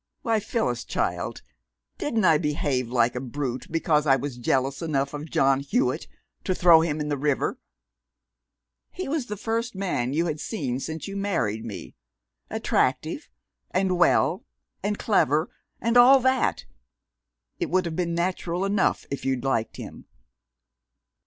Why, Phyllis, child, didn't I behave like a brute because I was jealous enough of John Hewitt to throw him in the river? He was the first man you had seen since you married me attractive, and well, and clever, and all that it would have been natural enough if you'd liked him."